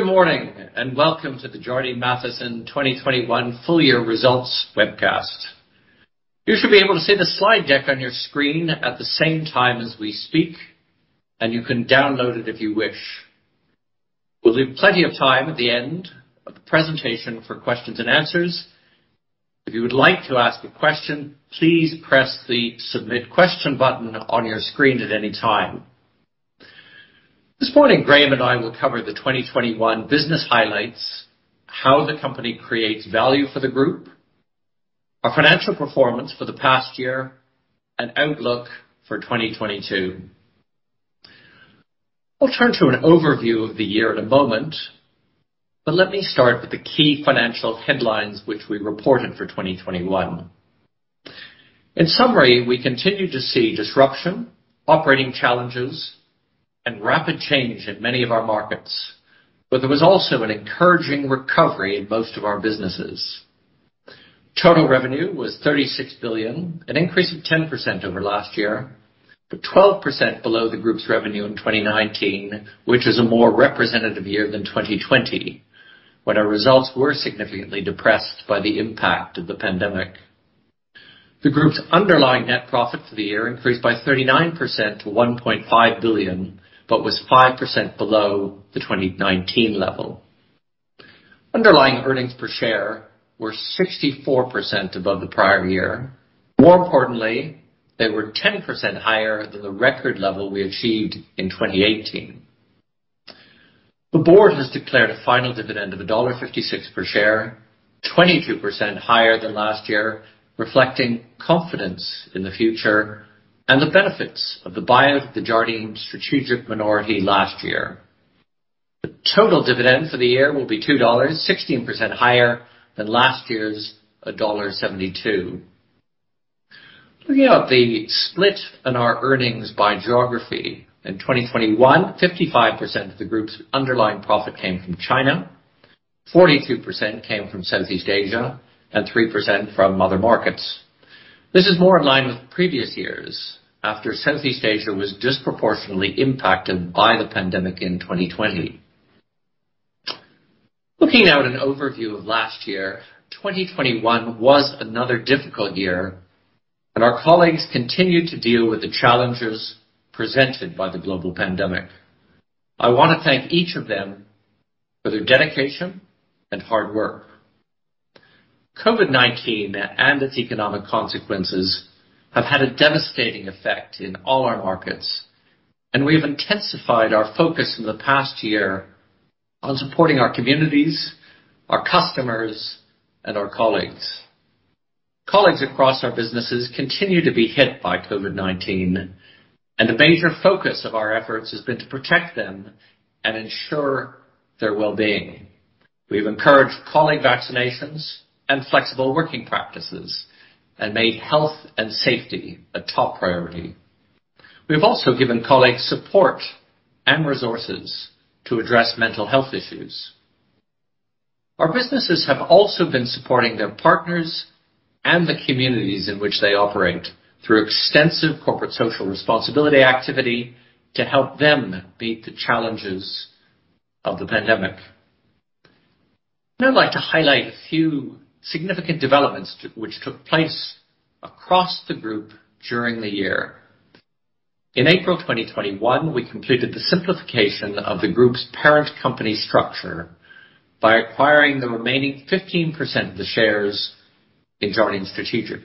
Good morning, and welcome to the Jardine Matheson 2021 full year results webcast. You should be able to see the slide deck on your screen at the same time as we speak, and you can download it if you wish. We'll leave plenty of time at the end of the presentation for questions and answers. If you would like to ask a question, please press the Submit Question button on your screen at any time. This morning, Graham and I will cover the 2021 business highlights, how the company creates value for the group, our financial performance for the past year, and outlook for 2022. I'll turn to an overview of the year in a moment, but let me start with the key financial headlines which we reported for 2021. In summary, we continued to see disruption, operating challenges, and rapid change in many of our markets, but there was also an encouraging recovery in most of our businesses. Total revenue was $36 billion, an increase of 10% over last year, but 12% below the group's revenue in 2019, which is a more representative year than 2020, when our results were significantly depressed by the impact of the pandemic. The group's underlying net profit for the year increased by 39% to $1.5 billion, but was 5% below the 2019 level. Underlying earnings per share were 64% above the prior year. More importantly, they were 10% higher than the record level we achieved in 2018. The board has declared a final dividend of $1.56 per share, 22% higher than last year, reflecting confidence in the future and the benefits of the buyout of the Jardine Strategic minority last year. The total dividend for the year will be $2, 16% higher than last year's $1.72. Looking at the split in our earnings by geography. In 2021, 55% of the group's underlying profit came from China, 42% came from Southeast Asia, and 3% from other markets. This is more in line with previous years after Southeast Asia was disproportionately impacted by the pandemic in 2020. Looking now at an overview of last year, 2021 was another difficult year and our colleagues continued to deal with the challenges presented by the global pandemic. I wanna thank each of them for their dedication and hard work. COVID-19 and its economic consequences have had a devastating effect in all our markets, and we have intensified our focus in the past year on supporting our communities, our customers, and our colleagues. Colleagues across our businesses continue to be hit by COVID-19, and a major focus of our efforts has been to protect them and ensure their wellbeing. We've encouraged colleague vaccinations and flexible working practices and made health and safety a top priority. We have also given colleagues support and resources to address mental health issues. Our businesses have also been supporting their partners and the communities in which they operate through extensive corporate social responsibility activity to help them meet the challenges of the pandemic. I'd like to highlight a few significant developments which took place across the group during the year. In April 2021, we completed the simplification of the group's parent company structure by acquiring the remaining 15% of the shares in Jardine Strategic.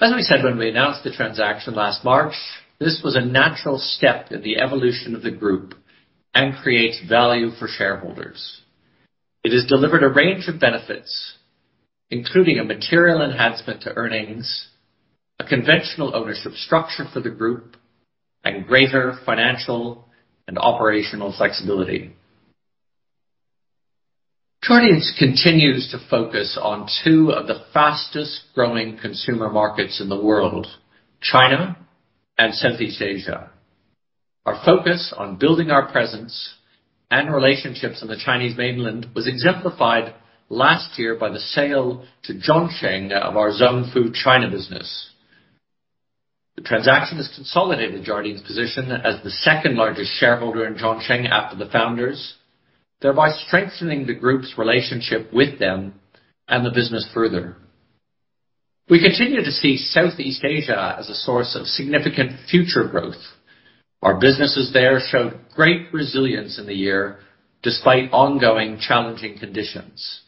As we said when we announced the transaction last March, this was a natural step in the evolution of the group and creates value for shareholders. It has delivered a range of benefits, including a material enhancement to earnings, a conventional ownership structure for the group, and greater financial and operational flexibility. Jardine continues to focus on two of the fastest-growing consumer markets in the world, China and Southeast Asia. Our focus on building our presence and relationships in the Chinese mainland was exemplified last year by the sale to Zhongsheng of our Zung Fu China business. The transaction has consolidated Jardine's position as the second-largest shareholder in Zhongsheng after the founders, thereby strengthening the group's relationship with them and the business further. We continue to see Southeast Asia as a source of significant future growth. Our businesses there showed great resilience in the year despite ongoing challenging conditions,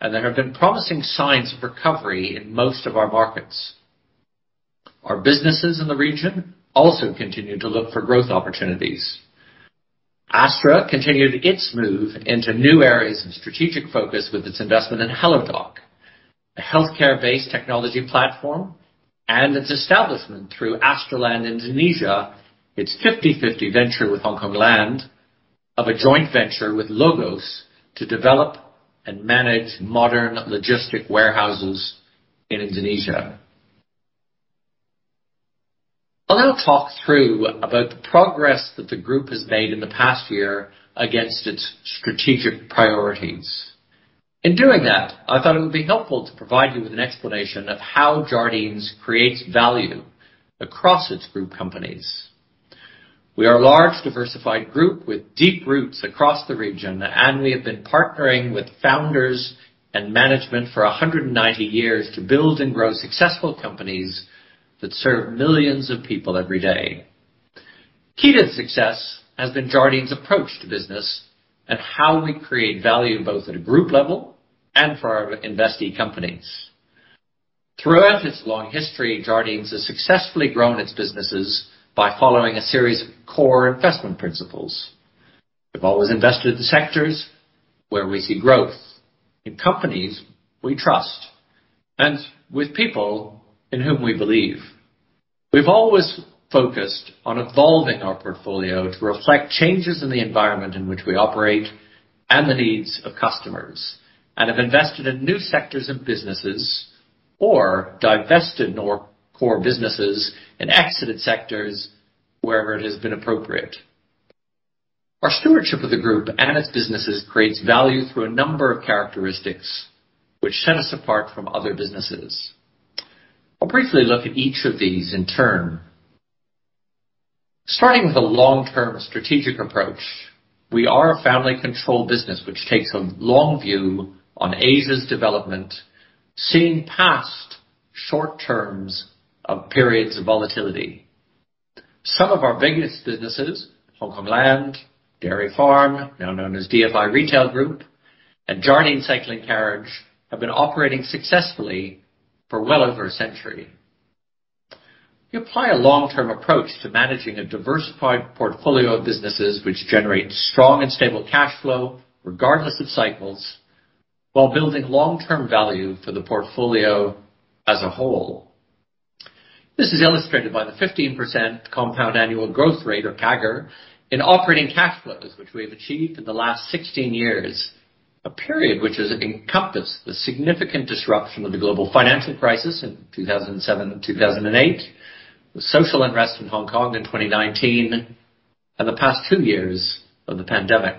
and there have been promising signs of recovery in most of our markets. Our businesses in the region also continue to look for growth opportunities. Astra continued its move into new areas of strategic focus with its investment in Halodoc, a healthcare-based technology platform, and its establishment through Astra Land Indonesia, its 50-50 venture with Hongkong Land of a joint venture with LOGOS to develop and manage modern logistics warehouses in Indonesia. I'll now talk through about the progress that the group has made in the past year against its strategic priorities. In doing that, I thought it would be helpful to provide you with an explanation of how Jardines creates value across its group companies. We are a large, diversified group with deep roots across the region, and we have been partnering with founders and management for 190 years to build and grow successful companies that serve millions of people every day. Key to the success has been Jardines approach to business and how we create value both at a group level and for our investee companies. Throughout its long history, Jardines has successfully grown its businesses by following a series of core investment principles. We've always invested in sectors where we see growth, in companies we trust, and with people in whom we believe. We've always focused on evolving our portfolio to reflect changes in the environment in which we operate and the needs of customers, and have invested in new sectors and businesses or divested non-core businesses and exited sectors wherever it has been appropriate. Our stewardship of the group and its businesses creates value through a number of characteristics which set us apart from other businesses. I'll briefly look at each of these in turn. Starting with a long-term strategic approach, we are a family-controlled business which takes a long view on Asia's development, seeing past short-term periods of volatility. Some of our biggest businesses, Hongkong Land, Dairy Farm, now known as DFI Retail Group, and Jardine Cycle & Carriage, have been operating successfully for well over a century. We apply a long-term approach to managing a diversified portfolio of businesses which generate strong and stable cash flow regardless of cycles while building long-term value for the portfolio as a whole. This is illustrated by the 15% CAGR in operating cash flows, which we have achieved in the last 16 years, a period which has encompassed the significant disruption of the global financial crisis in 2007, 2008, the social unrest in Hong Kong in 2019, and the past 2 years of the pandemic.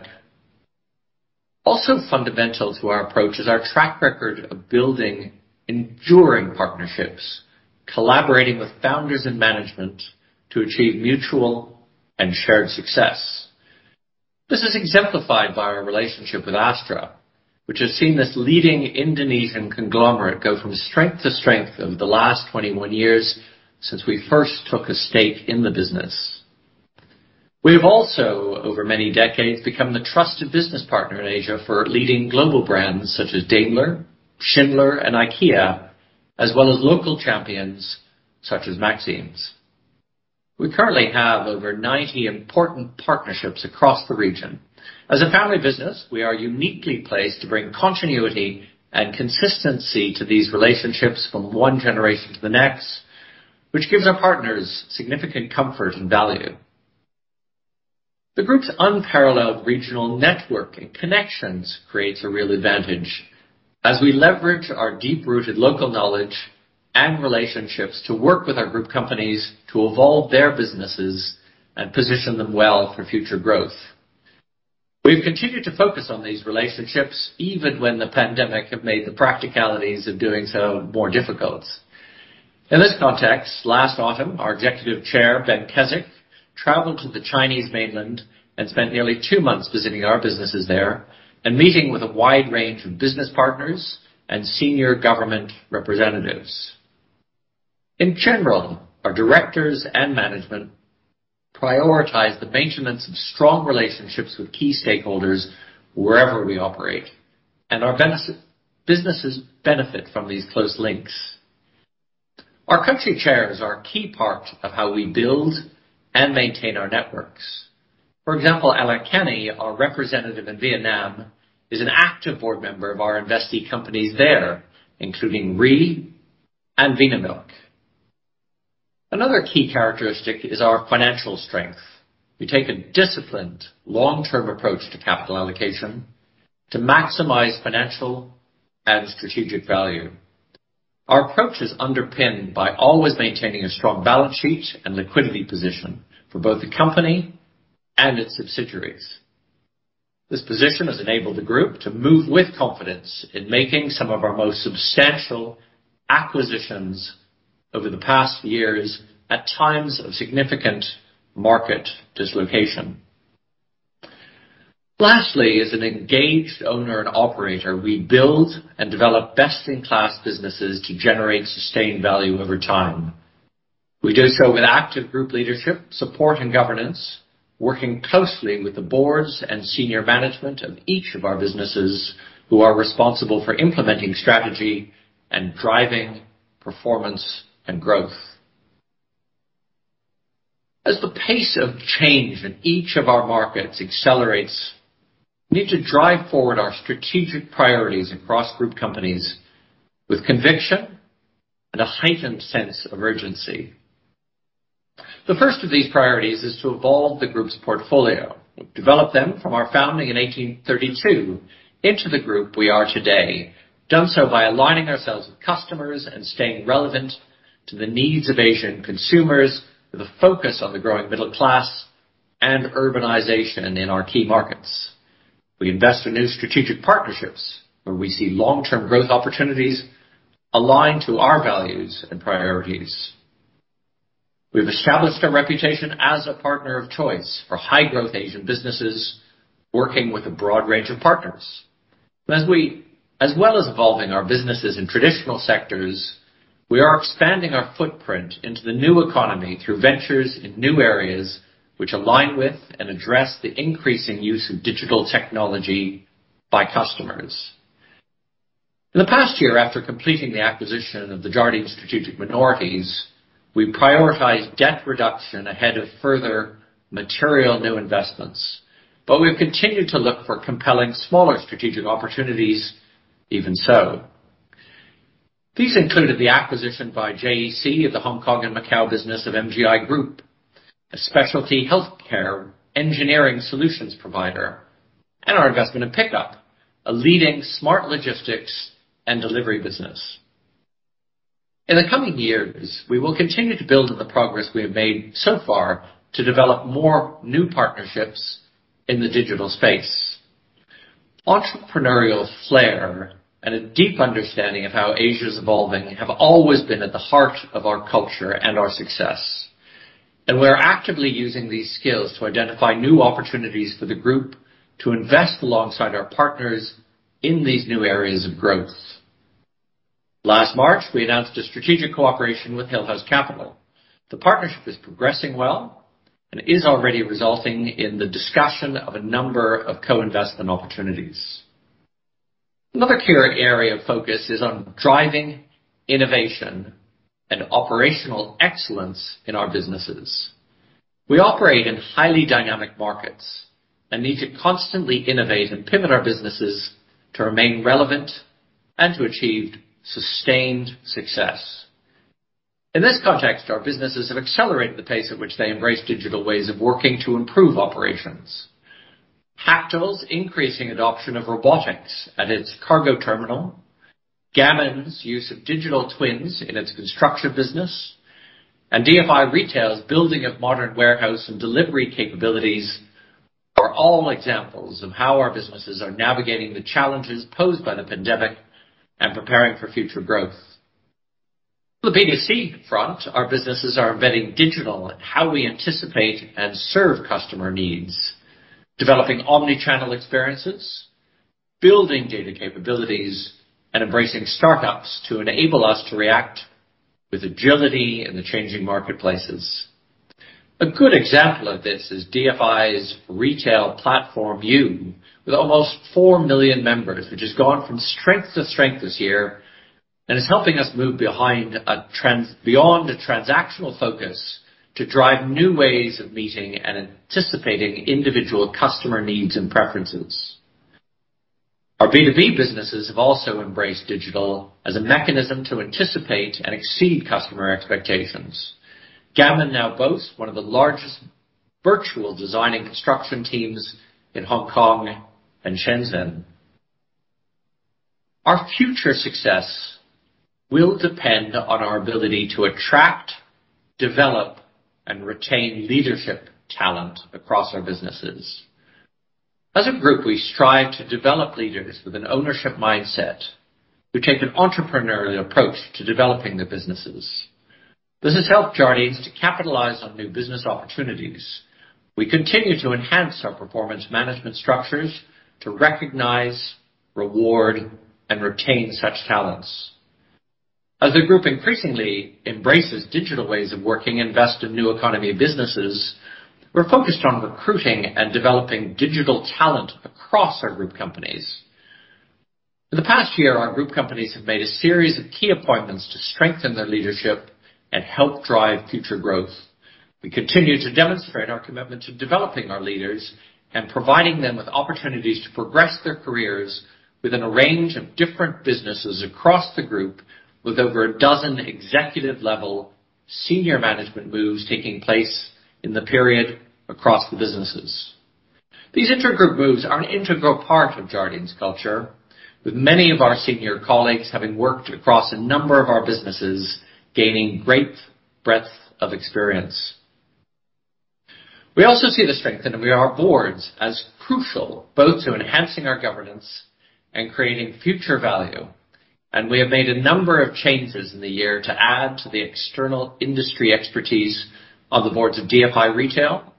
Also fundamental to our approach is our track record of building enduring partnerships, collaborating with founders and management to achieve mutual and shared success. This is exemplified by our relationship with Astra, which has seen this leading Indonesian conglomerate go from strength to strength over the last 21 years since we first took a stake in the business. We have also, over many decades, become the trusted business partner in Asia for leading global brands such as Daimler, Schindler and IKEA, as well as local champions such as Maxim's. We currently have over 90 important partnerships across the region. As a family business, we are uniquely placed to bring continuity and consistency to these relationships from one generation to the next, which gives our partners significant comfort and value. The group's unparalleled regional network and connections creates a real advantage as we leverage our deep-rooted local knowledge and relationships to work with our group companies to evolve their businesses and position them well for future growth. We've continued to focus on these relationships even when the pandemic have made the practicalities of doing so more difficult. In this context, last autumn, our Executive Chair, Ben Keswick, traveled to the Chinese mainland and spent nearly two months visiting our businesses there and meeting with a wide range of business partners and senior government representatives. In general, our directors and management prioritize the maintenance of strong relationships with key stakeholders wherever we operate, and our businesses benefit from these close links. Our country chairs are a key part of how we build and maintain our networks. For example, Alain Cany, our representative in Vietnam, is an active board member of our investee companies there, including REE and Vinamilk. Another key characteristic is our financial strength. We take a disciplined long-term approach to capital allocation to maximize financial and strategic value. Our approach is underpinned by always maintaining a strong balance sheet and liquidity position for both the company and its subsidiaries. This position has enabled the group to move with confidence in making some of our most substantial acquisitions over the past years at times of significant market dislocation. Lastly, as an engaged owner and operator, we build and develop best-in-class businesses to generate sustained value over time. We do so with active group leadership, support, and governance, working closely with the boards and senior management of each of our businesses who are responsible for implementing strategy and driving performance and growth. As the pace of change in each of our markets accelerates, we need to drive forward our strategic priorities across group companies with conviction and a heightened sense of urgency. The first of these priorities is to evolve the group's portfolio. We've developed them from our founding in 1832 into the group we are today. Done so by aligning ourselves with customers and staying relevant to the needs of Asian consumers, with a focus on the growing middle class and urbanization in our key markets. We invest in new strategic partnerships where we see long-term growth opportunities aligned to our values and priorities. We've established a reputation as a partner of choice for high-growth Asian businesses working with a broad range of partners. As well as evolving our businesses in traditional sectors, we are expanding our footprint into the new economy through ventures in new areas which align with and address the increasing use of digital technology by customers. In the past year, after completing the acquisition of the Jardine Strategic minorities, we prioritized debt reduction ahead of further material new investments. We've continued to look for compelling smaller strategic opportunities, even so. These included the acquisition by JEC of the Hong Kong and Macau business of MGI Group, a specialty healthcare engineering solutions provider, and our investment in Pickupp, a leading smart logistics and delivery business. In the coming years, we will continue to build on the progress we have made so far to develop more new partnerships in the digital space. Entrepreneurial flair and a deep understanding of how Asia is evolving have always been at the heart of our culture and our success, and we are actively using these skills to identify new opportunities for the group to invest alongside our partners in these new areas of growth. Last March, we announced a strategic cooperation with Hillhouse Capital. The partnership is progressing well and is already resulting in the discussion of a number of co-investment opportunities. Another key area of focus is on driving innovation and operational excellence in our businesses. We operate in highly dynamic markets and need to constantly innovate and pivot our businesses to remain relevant and to achieve sustained success. In this context, our businesses have accelerated the pace at which they embrace digital ways of working to improve operations. Hactl's increasing adoption of robotics at its cargo terminal, Gammon's use of digital twins in its construction business, and DFI Retail's building of modern warehouse and delivery capabilities are all examples of how our businesses are navigating the challenges posed by the pandemic and preparing for future growth. On the B2C front, our businesses are embedding digital in how we anticipate and serve customer needs, developing omni-channel experiences, building data capabilities, and embracing startups to enable us to react with agility in the changing marketplaces. A good example of this is DFI's retail platform, yuu, with almost 4 million members, which has gone from strength to strength this year and is helping us move beyond a transactional focus to drive new ways of meeting and anticipating individual customer needs and preferences. Our B2B businesses have also embraced digital as a mechanism to anticipate and exceed customer expectations. Gammon now boasts one of the largest virtual design and construction teams in Hong Kong and Shenzhen. Our future success will depend on our ability to attract, develop, and retain leadership talent across our businesses. As a group, we strive to develop leaders with an ownership mindset who take an entrepreneurial approach to developing the businesses. This has helped Jardines to capitalize on new business opportunities. We continue to enhance our performance management structures to recognize, reward, and retain such talents. As the group increasingly embraces digital ways of working, invest in new economy businesses, we're focused on recruiting and developing digital talent across our group companies. In the past year, our group companies have made a series of key appointments to strengthen their leadership and help drive future growth. We continue to demonstrate our commitment to developing our leaders and providing them with opportunities to progress their careers within a range of different businesses across the group with over a dozen executive-level senior management moves taking place in the period across the businesses. These intergroup moves are an integral part of Jardine's culture, with many of our senior colleagues having worked across a number of our businesses, gaining great breadth of experience. We also see the strength in our boards as crucial, both to enhancing our governance and creating future value. We have made a number of changes in the year to add to the external industry expertise on the boards of DFI Retail,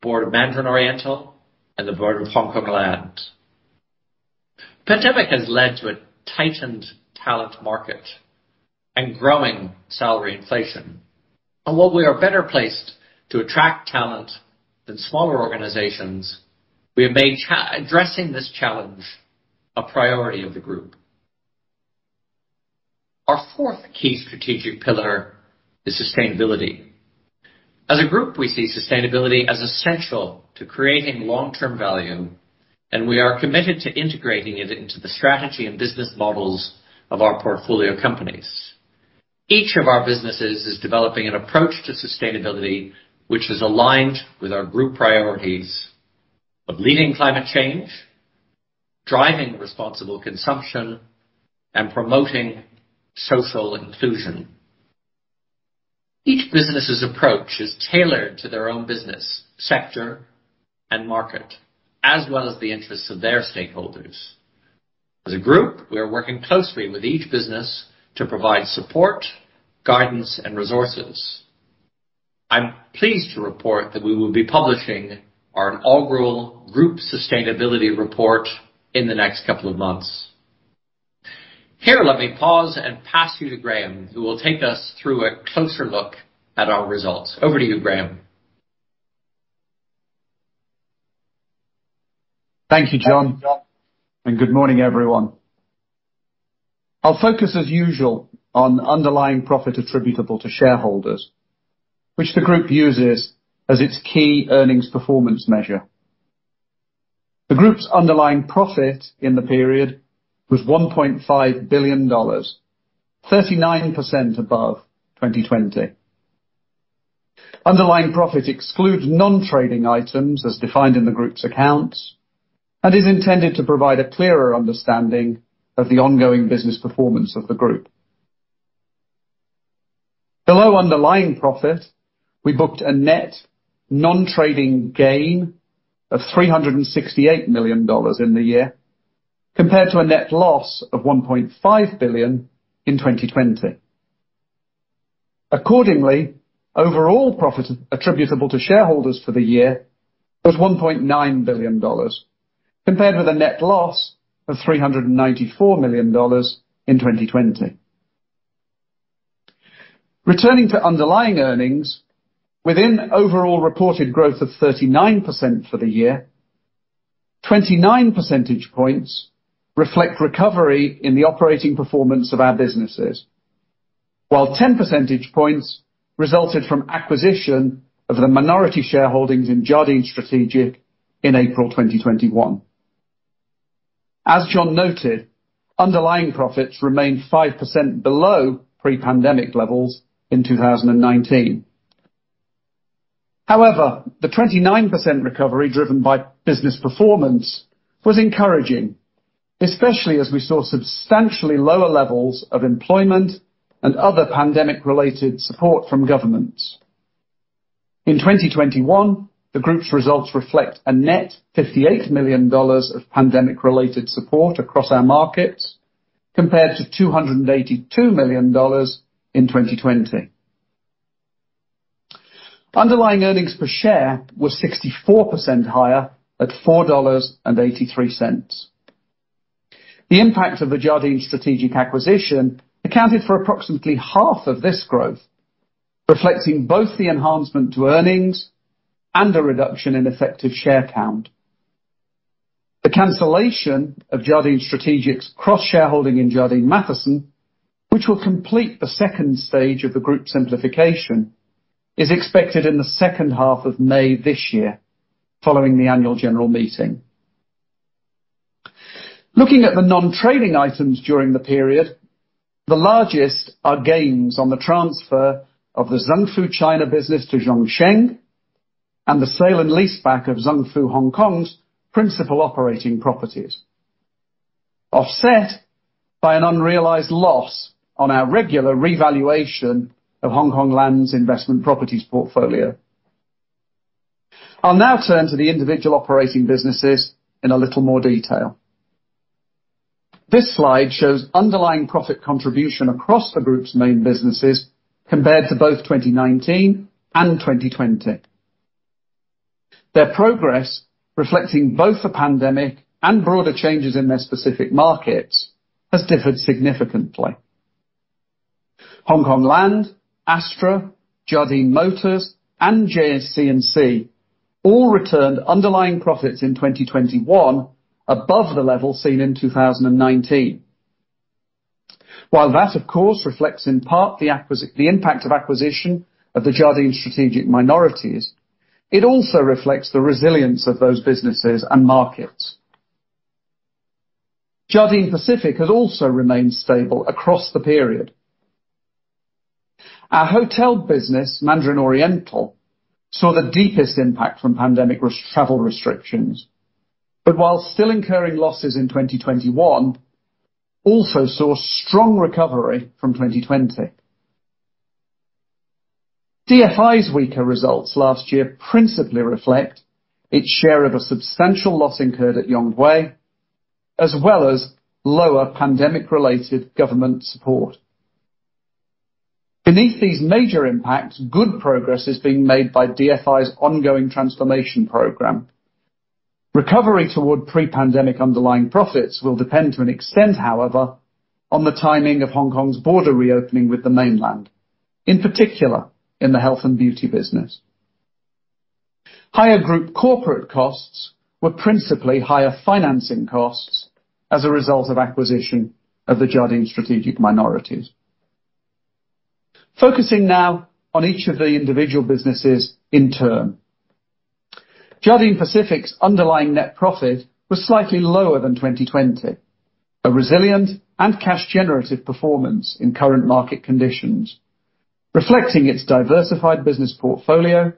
Board of Mandarin Oriental, and the Board of Hongkong Land. Pandemic has led to a tightened talent market and growing salary inflation. While we are better placed to attract talent than smaller organizations, we have made addressing this challenge a priority of the group. Our fourth key strategic pillar is sustainability. As a group, we see sustainability as essential to creating long-term value, and we are committed to integrating it into the strategy and business models of our portfolio companies. Each of our businesses is developing an approach to sustainability which is aligned with our group priorities of leading climate change, driving responsible consumption and promoting social inclusion. Each business's approach is tailored to their own business sector and market, as well as the interests of their stakeholders. As a group, we are working closely with each business to provide support, guidance, and resources. I'm pleased to report that we will be publishing our inaugural group sustainability report in the next couple of months. Here, let me pause and pass you to Graham, who will take us through a closer look at our results. Over to you, Graham. Thank you, John, and good morning, everyone. I'll focus as usual on underlying profit attributable to shareholders, which the group uses as its key earnings performance measure. The group's underlying profit in the period was $1.5 billion, 39% above 2020. Underlying profit excludes non-trading items as defined in the group's accounts and is intended to provide a clearer understanding of the ongoing business performance of the group. Below underlying profit, we booked a net non-trading gain of $368 million in the year, compared to a net loss of $1.5 billion in 2020. Accordingly, overall profit attributable to shareholders for the year was $1.9 billion, compared with a net loss of $394 million in 2020. Returning to underlying earnings, within overall reported growth of 39% for the year, 29 percentage points reflect recovery in the operating performance of our businesses, while 10 percentage points resulted from acquisition of the minority shareholdings in Jardine Strategic in April 2021. As John noted, underlying profits remained 5% below pre-pandemic levels in 2019. However, the 29% recovery driven by business performance was encouraging, especially as we saw substantially lower levels of employment and other pandemic-related support from governments. In 2021, the group's results reflect a net $58 million of pandemic related support across our markets, compared to $282 million in 2020. Underlying earnings per share were 64% higher at $4.83. The impact of the Jardine Strategic acquisition accounted for approximately half of this growth, reflecting both the enhancement to earnings and a reduction in effective share count. The cancellation of Jardine Strategic's cross shareholding in Jardine Matheson, which will complete the second stage of the group simplification, is expected in the second half of May this year, following the annual general meeting. Looking at the non-trading items during the period, the largest are gains on the transfer of the Zung Fu China business to Zhongsheng and the sale and lease back of Zung Fu Hong Kong's principal operating properties, offset by an unrealized loss on our regular revaluation of Hong Kong Land's investment properties portfolio. I'll now turn to the individual operating businesses in a little more detail. This slide shows underlying profit contribution across the group's main businesses compared to both 2019 and 2020. Their progress, reflecting both the pandemic and broader changes in their specific markets, has differed significantly. Hongkong Land, Astra, Jardine Motors, and JC&C all returned underlying profits in 2021 above the level seen in 2019. While that, of course, reflects in part the impact of acquisition of the Jardine Strategic minorities, it also reflects the resilience of those businesses and markets. Jardine Pacific has also remained stable across the period. Our hotel business, Mandarin Oriental, saw the deepest impact from pandemic travel restrictions, but while still incurring losses in 2021, also saw strong recovery from 2020. DFI's weaker results last year principally reflect its share of a substantial loss incurred at Yonghui, as well as lower pandemic-related government support. Beneath these major impacts, good progress is being made by DFI's ongoing transformation program. Recovery toward pre-pandemic underlying profits will depend to an extent, however, on the timing of Hong Kong's border reopening with the mainland, in particular in the health and beauty business. Higher group corporate costs were principally higher financing costs as a result of acquisition of the Jardine Strategic minorities. Focusing now on each of the individual businesses in turn. Jardine Pacific's underlying net profit was slightly lower than 2020, a resilient and cash generative performance in current market conditions. Reflecting its diversified business portfolio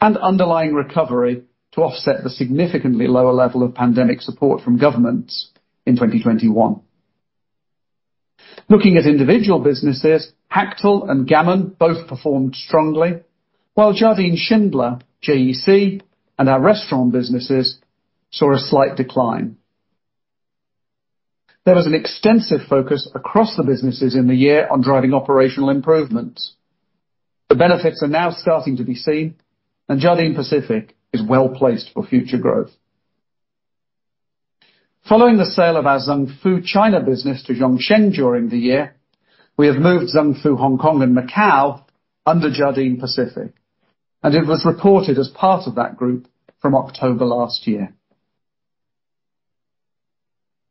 and underlying recovery to offset the significantly lower level of pandemic support from governments in 2021. Looking at individual businesses, Hactl and Gammon both performed strongly, while Jardine Schindler, JEC, and our restaurant businesses saw a slight decline. There was an extensive focus across the businesses in the year on driving operational improvements. The benefits are now starting to be seen, and Jardine Pacific is well-placed for future growth. Following the sale of our Zung Fu China business to Zhongsheng during the year, we have moved Zung Fu Hong Kong and Macau under Jardine Pacific, and it was reported as part of that group from October last year.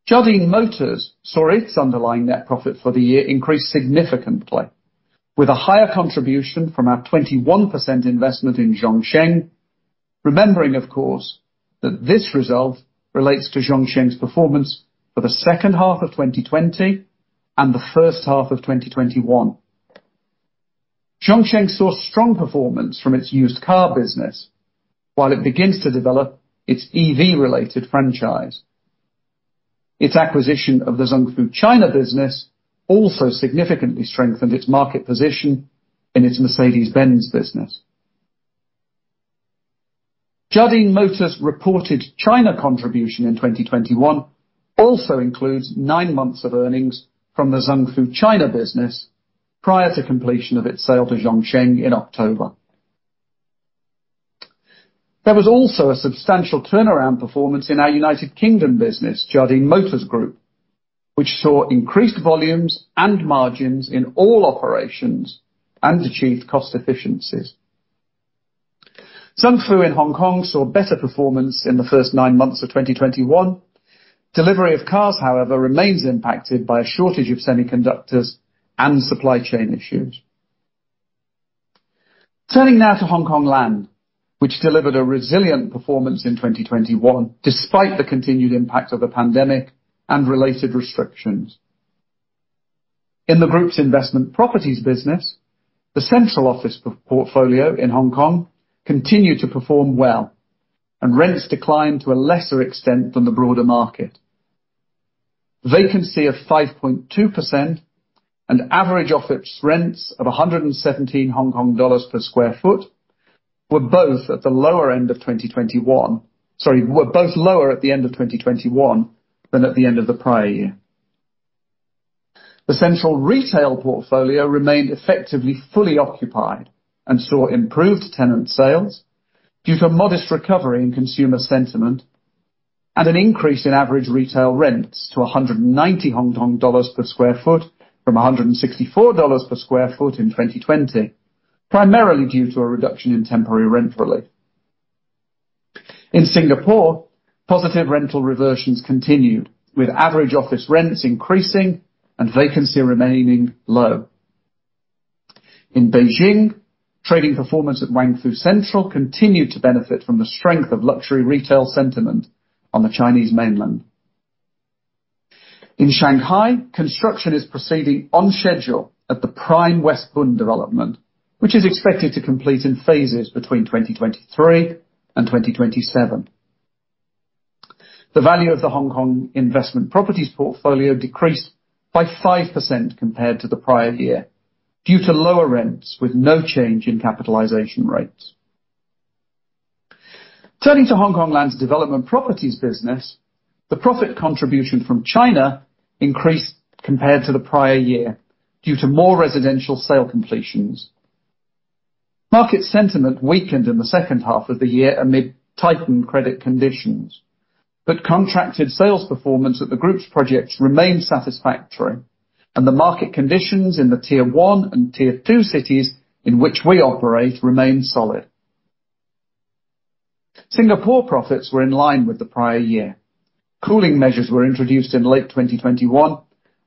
Jardine Motors saw its underlying net profit for the year increase significantly with a higher contribution from our 21% investment in Zhongsheng. Remembering, of course, that this result relates to Zhongsheng's performance for the second half of 2020 and the first half of 2021. Zhongsheng saw strong performance from its used car business while it begins to develop its EV-related franchise. Its acquisition of the Zung Fu China business also significantly strengthened its market position in its Mercedes-Benz business. Jardine Motors reported China contribution in 2021 also includes 9 months of earnings from the Zung Fu China business prior to completion of its sale to Zhongsheng in October. There was also a substantial turnaround performance in our United Kingdom business, Jardine Motors Group, which saw increased volumes and margins in all operations and achieved cost efficiencies. Zung Fu in Hong Kong saw better performance in the first 9 months of 2021. Delivery of cars, however, remains impacted by a shortage of semiconductors and supply chain issues. Turning now to Hongkong Land, which delivered a resilient performance in 2021 despite the continued impact of the pandemic and related restrictions. In the group's investment properties business, the central office portfolio in Hong Kong continued to perform well, and rents declined to a lesser extent than the broader market. Vacancy of 5.2% and average office rents of 117 Hong Kong dollars per sq ft were both lower at the end of 2021 than at the end of the prior year. The Central retail portfolio remained effectively fully occupied and saw improved tenant sales due to a modest recovery in consumer sentiment and an increase in average retail rents to 190 Hong Kong dollars per sq ft from 164 dollars per sq ft in 2020, primarily due to a reduction in temporary rent relief. In Singapore, positive rental reversions continued, with average office rents increasing and vacancy remaining low. In Beijing, trading performance at WF Central continued to benefit from the strength of luxury retail sentiment on the Chinese mainland. In Shanghai, construction is proceeding on schedule at the West Bund Financial Hub, which is expected to complete in phases between 2023 and 2027. The value of the Hongkong Land investment properties portfolio decreased by 5% compared to the prior year due to lower rents with no change in capitalization rates. Turning to Hongkong Land's development properties business, the profit contribution from China increased compared to the prior year due to more residential sale completions. Market sentiment weakened in the second half of the year amid tightened credit conditions. Contracted sales performance at the group's projects remained satisfactory, and the market conditions in the tier one and tier two cities in which we operate remained solid. Singapore profits were in line with the prior year. Cooling measures were introduced in late 2021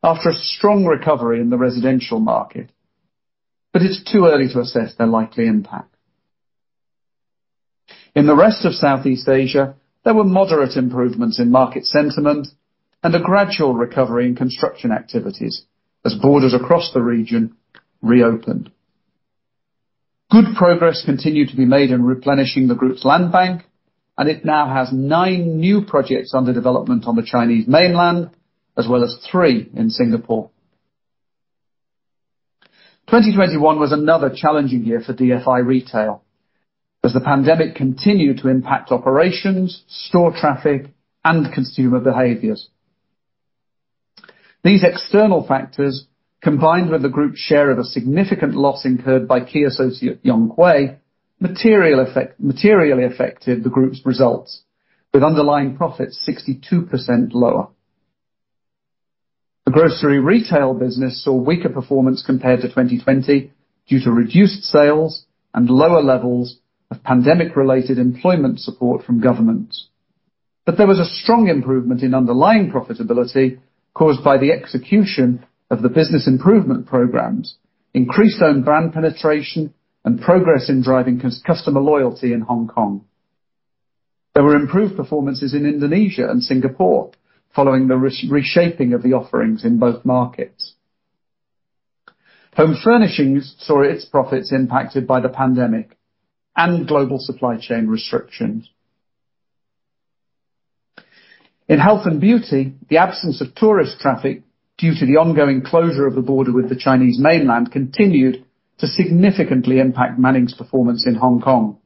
after a strong recovery in the residential market, but it's too early to assess their likely impact. In the rest of Southeast Asia, there were moderate improvements in market sentiment and a gradual recovery in construction activities as borders across the region reopened. Good progress continued to be made in replenishing the group's land bank, and it now has nine new projects under development on the Chinese mainland as well as three in Singapore. 2021 was another challenging year for DFI Retail as the pandemic continued to impact operations, store traffic, and consumer behaviors. These external factors, combined with the group's share of a significant loss incurred by key associate Yonghui, materially affected the group's results with underlying profits 62% lower. The grocery retail business saw weaker performance compared to 2020 due to reduced sales and lower levels of pandemic-related employment support from governments. There was a strong improvement in underlying profitability caused by the execution of the business improvement programs, increased own brand penetration, and progress in driving customer loyalty in Hong Kong. There were improved performances in Indonesia and Singapore following the reshaping of the offerings in both markets. Home furnishings saw its profits impacted by the pandemic and global supply chain restrictions. In health and beauty, the absence of tourist traffic due to the ongoing closure of the border with the Chinese mainland continued to significantly impact Mannings' performance in Hong Kong,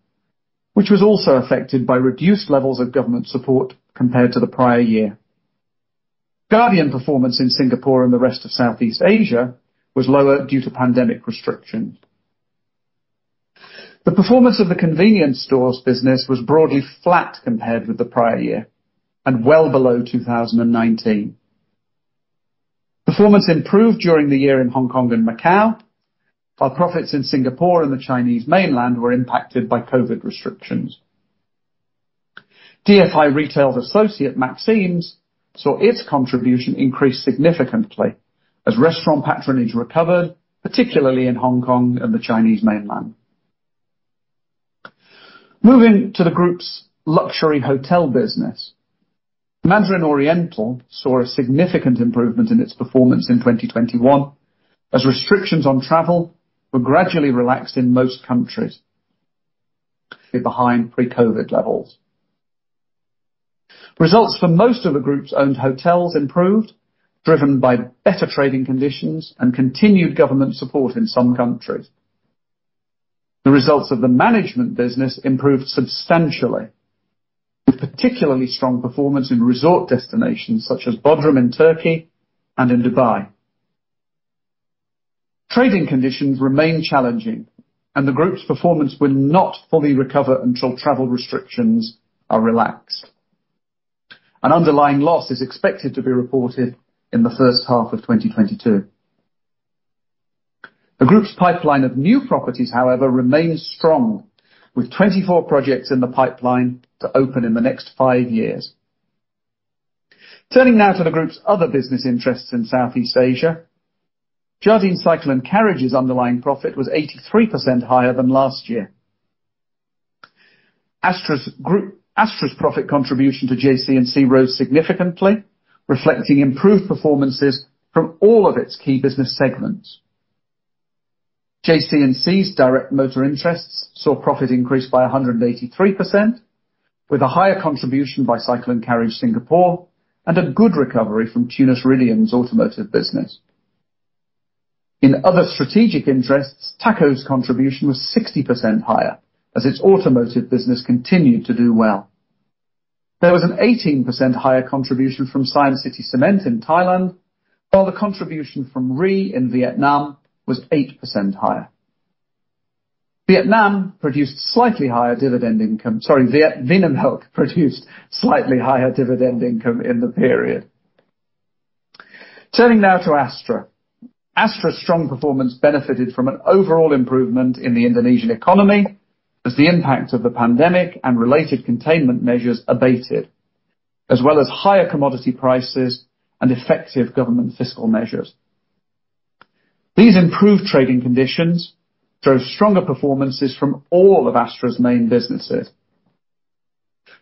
which was also affected by reduced levels of government support compared to the prior year. Guardian's performance in Singapore and the rest of Southeast Asia was lower due to pandemic restrictions. The performance of the convenience stores business was broadly flat compared with the prior year and well below 2019. Performance improved during the year in Hong Kong and Macau, while profits in Singapore and the Chinese mainland were impacted by COVID restrictions. DFI Retail's associate, Maxim's, saw its contribution increase significantly as restaurant patronage recovered, particularly in Hong Kong and the Chinese mainland. Moving to the group's luxury hotel business. Mandarin Oriental saw a significant improvement in its performance in 2021 as restrictions on travel were gradually relaxed in most countries behind pre-COVID levels. Results for most of the group's owned hotels improved, driven by better trading conditions and continued government support in some countries. The results of the management business improved substantially, with particularly strong performance in resort destinations such as Bodrum in Turkey and in Dubai. Trading conditions remain challenging and the group's performance will not fully recover until travel restrictions are relaxed. An underlying loss is expected to be reported in the first half of 2022. The group's pipeline of new properties, however, remains strong, with 24 projects in the pipeline to open in the next five years. Turning now to the group's other business interests in Southeast Asia. Jardine Cycle & Carriage's underlying profit was 83% higher than last year. Astra's profit contribution to JC&C rose significantly, reflecting improved performances from all of its key business segments. JC&C's direct motor interests saw profit increase by 183% with a higher contribution by Cycle & Carriage Singapore and a good recovery from Tunas Ridean's automotive business. In other strategic interests, THACO's contribution was 60% higher as its automotive business continued to do well. There was an 18% higher contribution from Siam City Cement in Thailand, while the contribution from REE in Vietnam was 8% higher. Vinamilk produced slightly higher dividend income in the period. Turning now to Astra. Astra's strong performance benefited from an overall improvement in the Indonesian economy as the impact of the pandemic and related containment measures abated, as well as higher commodity prices and effective government fiscal measures. These improved trading conditions drove stronger performances from all of Astra's main businesses.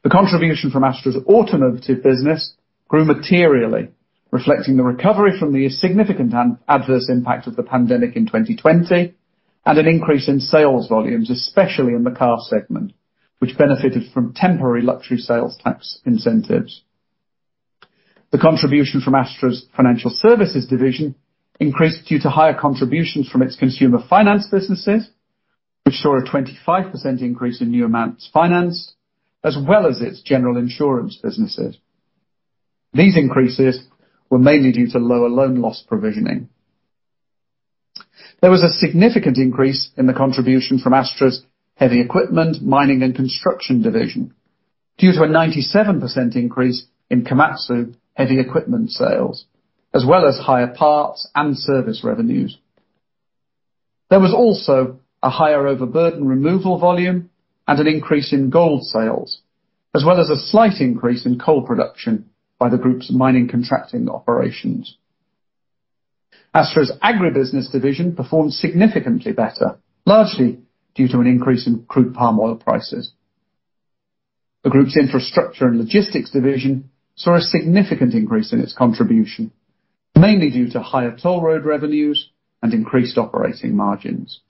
The contribution from Astra's automotive business grew materially, reflecting the recovery from the significant adverse impact of the pandemic in 2020 and an increase in sales volumes, especially in the car segment, which benefited from temporary luxury sales tax incentives. The contribution from Astra's financial services division increased due to higher contributions from its consumer finance businesses, which saw a 25% increase in new amounts financed as well as its general insurance businesses. These increases were mainly due to lower loan loss provisioning. There was a significant increase in the contribution from Astra's heavy equipment, mining, and construction division due to a 97% increase in Komatsu heavy equipment sales, as well as higher parts and service revenues. There was also a higher overburden removal volume and an increase in gold sales, as well as a slight increase in coal production by the group's mining contracting operations. Astra's agribusiness division performed significantly better, largely due to an increase in crude palm oil prices. The group's infrastructure and logistics division saw a significant increase in its contribution, mainly due to higher toll road revenues and increased operating margins.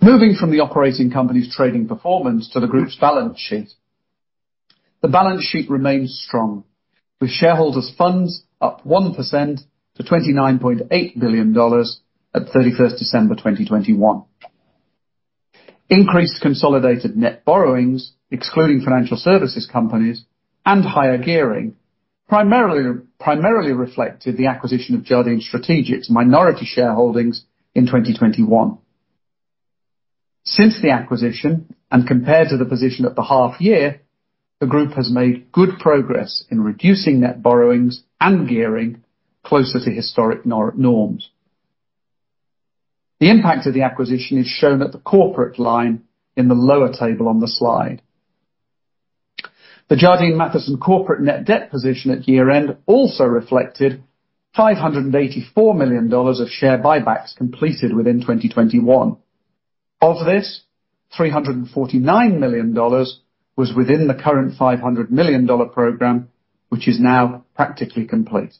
Moving from the operating company's trading performance to the group's balance sheet. The balance sheet remains strong, with shareholders funds up 1% to $29.8 billion at 31 December 2021. Increased consolidated net borrowings, excluding financial services companies and higher gearing primarily reflected the acquisition of Jardine Strategic's minority shareholdings in 2021. Since the acquisition, and compared to the position at the half year, the group has made good progress in reducing net borrowings and gearing closer to historic norms. The impact of the acquisition is shown at the corporate line in the lower table on the slide. The Jardine Matheson corporate net debt position at year-end also reflected $584 million of share buybacks completed within 2021. Of this, $349 million was within the current $500 million program, which is now practically complete.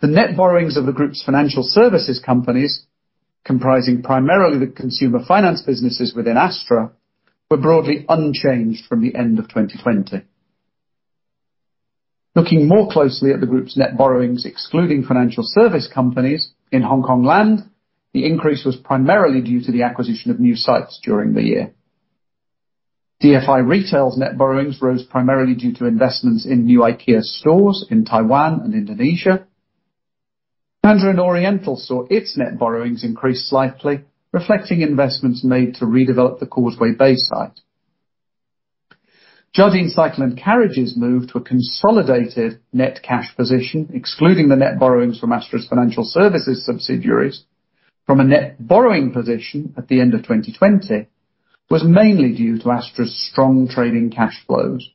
The net borrowings of the group's financial services companies, comprising primarily the consumer finance businesses within Astra, were broadly unchanged from the end of 2020. Looking more closely at the group's net borrowings, excluding financial service companies in Hongkong Land, the increase was primarily due to the acquisition of new sites during the year. DFI Retail's net borrowings rose primarily due to investments in new IKEA stores in Taiwan and Indonesia. Mandarin Oriental saw its net borrowings increase slightly, reflecting investments made to redevelop the Causeway Bay site. Jardine Cycle & Carriage's move to a consolidated net cash position, excluding the net borrowings from Astra's financial services subsidiaries from a net borrowing position at the end of 2020, was mainly due to Astra's strong trading cash flows.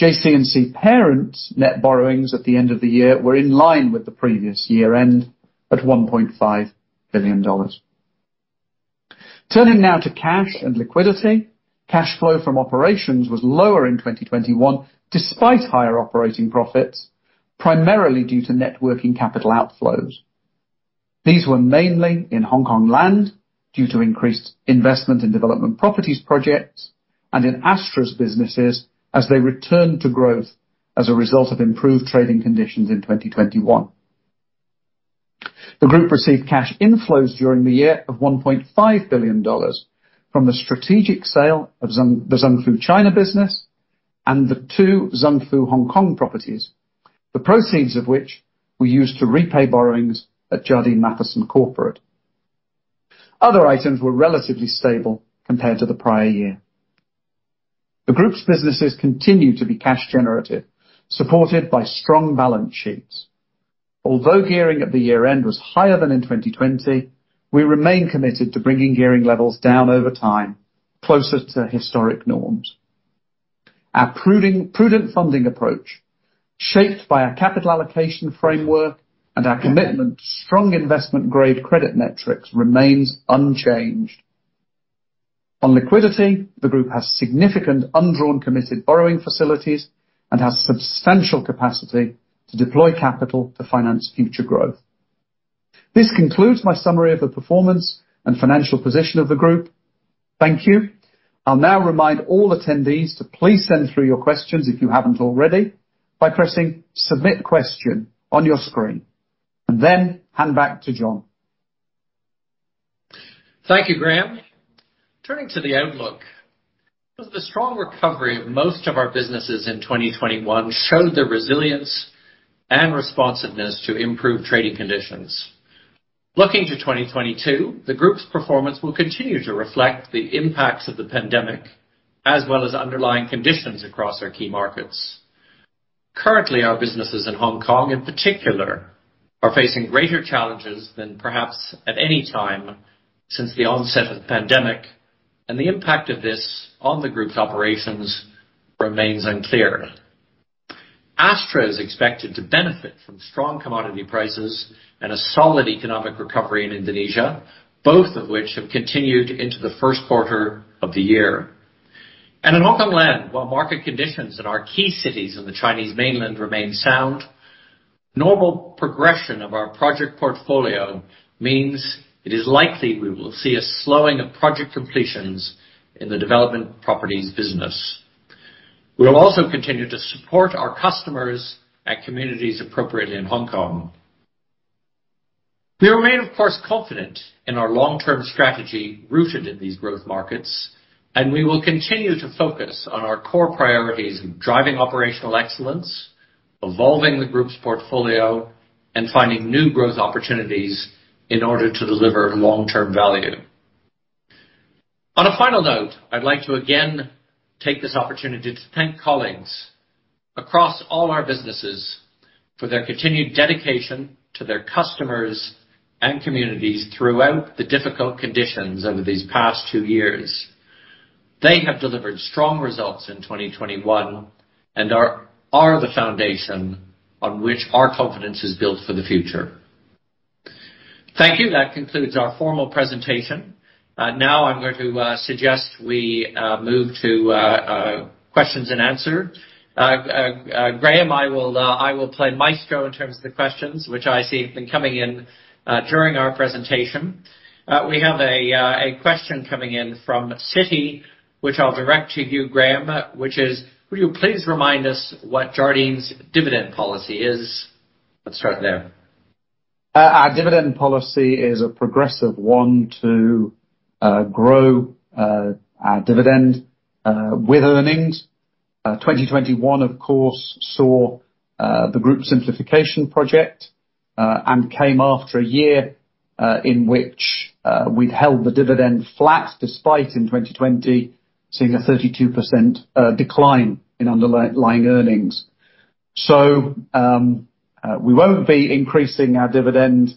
JC&C parent net borrowings at the end of the year were in line with the previous year-end at $1.5 billion. Turning now to cash and liquidity. Cash flow from operations was lower in 2021, despite higher operating profits, primarily due to working capital outflows. These were mainly in Hongkong Land due to increased investment in development properties projects and in Astra's businesses as they return to growth as a result of improved trading conditions in 2021. The group received cash inflows during the year of $1.5 billion from the strategic sale of Zung Fu, the Zung Fu China business and the two Zung Fu Hong Kong properties, the proceeds of which we used to repay borrowings at Jardine Matheson. Other items were relatively stable compared to the prior year. The group's businesses continue to be cash generative, supported by strong balance sheets. Although gearing at the year-end was higher than in 2020, we remain committed to bringing gearing levels down over time, closer to historic norms. Our prudent funding approach, shaped by our capital allocation framework and our commitment to strong investment-grade credit metrics remains unchanged. On liquidity, the group has significant undrawn committed borrowing facilities and has substantial capacity to deploy capital to finance future growth. This concludes my summary of the performance and financial position of the group. Thank you. I'll now remind all attendees to please send through your questions if you haven't already, by pressing Submit Question on your screen, and then hand back to John. Thank you, Graham. Turning to the outlook. The strong recovery of most of our businesses in 2021 showed the resilience and responsiveness to improved trading conditions. Looking to 2022, the group's performance will continue to reflect the impacts of the pandemic as well as underlying conditions across our key markets. Currently, our businesses in Hong Kong, in particular, are facing greater challenges than perhaps at any time since the onset of the pandemic, and the impact of this on the group's operations remains unclear. Astra is expected to benefit from strong commodity prices and a solid economic recovery in Indonesia, both of which have continued into the first quarter of the year. In Hongkong Land, while market conditions in our key cities in the Chinese mainland remain sound, normal progression of our project portfolio means it is likely we will see a slowing of project completions in the development properties business. We will also continue to support our customers and communities appropriately in Hong Kong. We remain, of course, confident in our long-term strategy rooted in these growth markets, and we will continue to focus on our core priorities of driving operational excellence, evolving the group's portfolio, and finding new growth opportunities in order to deliver long-term value. On a final note, I'd like to again take this opportunity to thank colleagues across all our businesses for their continued dedication to their customers and communities throughout the difficult conditions over these past two years. They have delivered strong results in 2021 and are the foundation on which our confidence is built for the future. Thank you. That concludes our formal presentation. Now I'm going to suggest we move to questions and answers. Graham, I will play maestro in terms of the questions which I see have been coming in during our presentation. We have a question coming in from Citi, which I'll direct to you, Graham, which is: Will you please remind us what Jardine's dividend policy is? Let's start there. Our dividend policy is a progressive one to grow our dividend with earnings. 2021, of course, saw the group simplification project and came after a year in which we'd held the dividend flat, despite in 2020, seeing a 32% decline in underlying earnings. We won't be increasing our dividend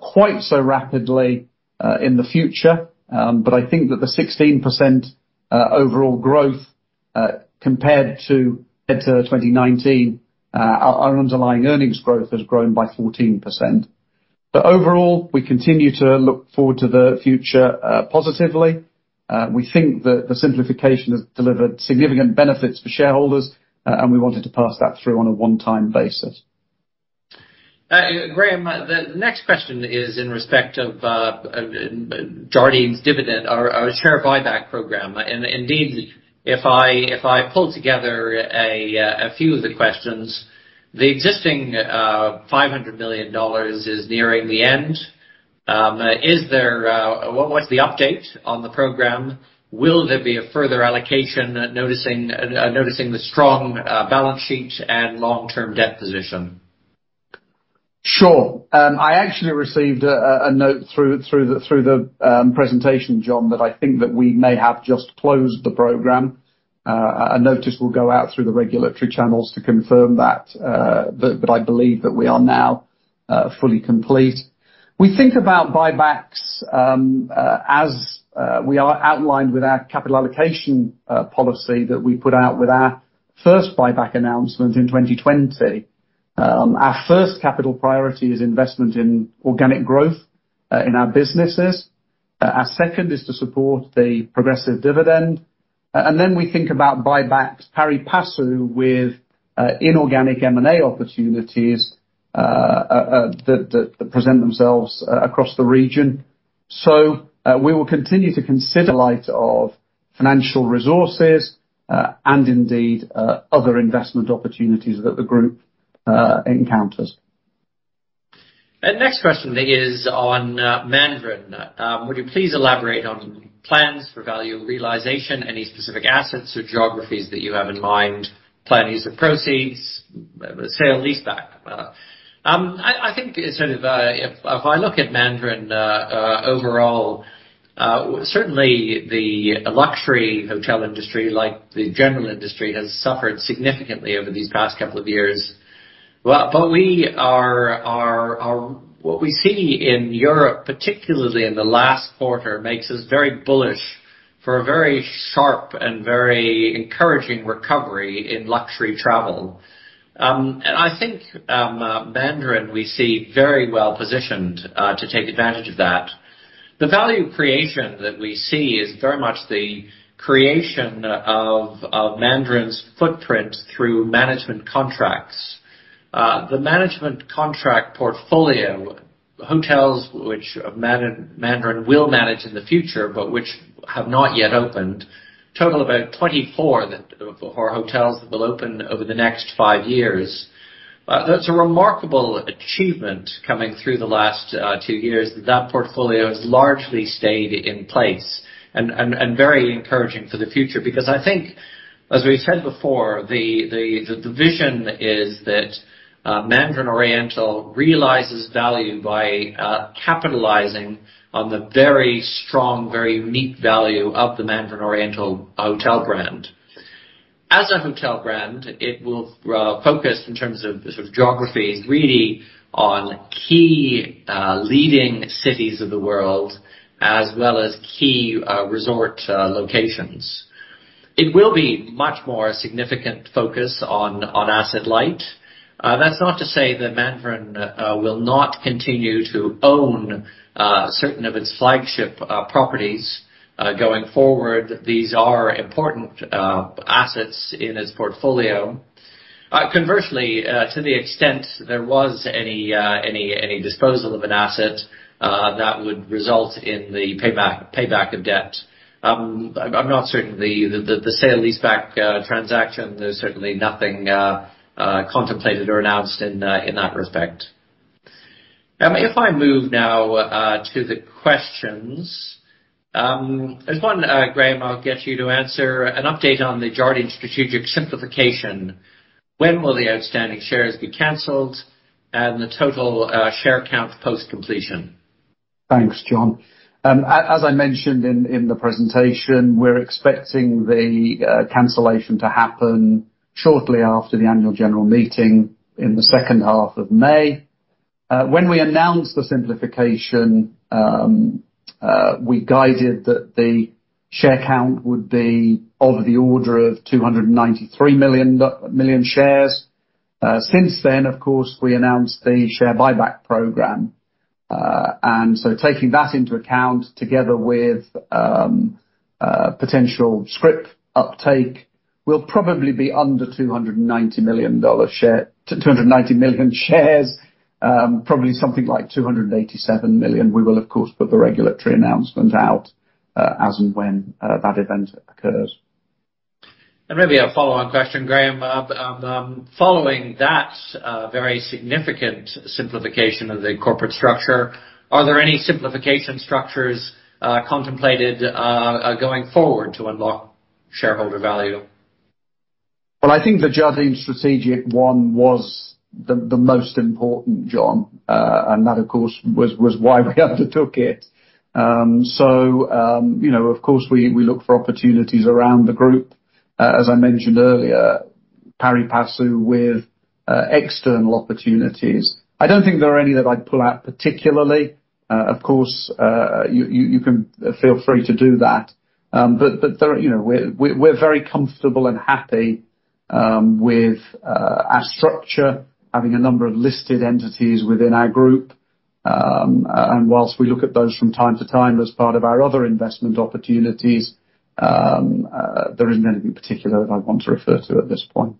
quite so rapidly in the future. I think that the 16% overall growth compared to end of 2019, our underlying earnings growth has grown by 14%. Overall, we continue to look forward to the future positively. We think that the simplification has delivered significant benefits for shareholders and we wanted to pass that through on a one-time basis. Graham, the next question is in respect of Jardine's dividend or share buyback program. Indeed, if I pull together a few of the questions, the existing $500 million is nearing the end. What's the update on the program? Will there be a further allocation, noticing the strong balance sheet and long-term debt position? Sure. I actually received a note through the presentation, John, that I think that we may have just closed the program. A notice will go out through the regulatory channels to confirm that, but I believe that we are now fully complete. We think about buybacks as we outlined with our capital allocation policy that we put out with our first buyback announcement in 2020. Our first capital priority is investment in organic growth in our businesses. Our second is to support the progressive dividend. We think about buybacks pari passu with inorganic M&A opportunities that present themselves across the region. We will continue to consider in light of financial resources, and indeed, other investment opportunities that the group encounters. The next question is on Mandarin. Would you please elaborate on plans for value realization, any specific assets or geographies that you have in mind, plan use of proceeds, sale/lease back? I think, sort of, if I look at Mandarin overall, certainly the luxury hotel industry, like the general industry, has suffered significantly over these past couple of years. What we see in Europe, particularly in the last quarter, makes us very bullish for a very sharp and very encouraging recovery in luxury travel. I think Mandarin we see very well positioned to take advantage of that. The value creation that we see is very much the creation of Mandarin's footprint through management contracts. The management contract portfolio, hotels which Mandarin Oriental will manage in the future, but which have not yet opened, totals about 24 hotels that will open over the next five years. That's a remarkable achievement coming through the last two years that portfolio has largely stayed in place and is very encouraging for the future. Because I think, as we've said before, the vision is that Mandarin Oriental realizes value by capitalizing on the very strong, very unique value of the Mandarin Oriental hotel brand. As a hotel brand, it will focus in terms of sort of geography, really on key leading cities of the world, as well as key resort locations. It will be much more significant focus on asset light. That's not to say that Mandarin Oriental will not continue to own certain of its flagship properties going forward. These are important assets in its portfolio. Conversely, to the extent there was any disposal of an asset that would result in the payback of debt, I'm not certain the sale and leaseback transaction. There's certainly nothing contemplated or announced in that respect. If I move now to the questions, there's one, Graham, I'll get you to answer. An update on the Jardine Strategic simplification. When will the outstanding shares be canceled and the total share count post-completion? Thanks, John. As I mentioned in the presentation, we're expecting the cancellation to happen shortly after the annual general meeting in the second half of May. When we announced the simplification, we guided that the share count would be of the order of 293 million shares. Since then, of course, we announced the share buyback program. Taking that into account, together with potential scrip uptake, we'll probably be under 290 million shares, probably something like 287 million. We will of course put the regulatory announcement out, as and when that event occurs. Maybe a follow-on question, Graham. Following that, very significant simplification of the corporate structure, are there any simplification structures going forward to unlock shareholder value? Well, I think the Jardine Strategic one was the most important, John, and that of course was why we undertook it. You know, of course we look for opportunities around the group, as I mentioned earlier, pari passu with external opportunities. I don't think there are any that I'd pull out particularly. Of course, you can feel free to do that. But there, you know, we're very comfortable and happy with our structure, having a number of listed entities within our group. And whilst we look at those from time to time as part of our other investment opportunities, there isn't any particular that I want to refer to at this point.